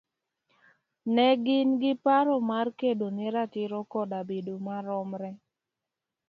ne gin gi paro mar kedo ne ratiro koda bedo maromre